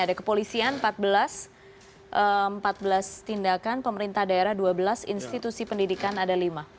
ada kepolisian empat belas tindakan pemerintah daerah dua belas institusi pendidikan ada lima